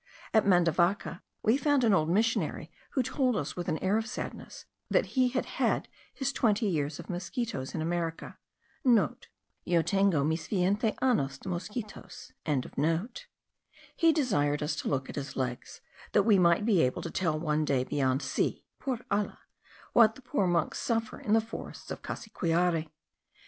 At Mandavaca we found an old missionary, who told us with an air of sadness, that he had had his twenty years of mosquitos in America*. (* "Yo tengo mis veinte anos de mosquitos.") He desired us to look at his legs, that we might be able to tell one day, beyond sea (por alla), what the poor monks suffer in the forests of Cassiquiare.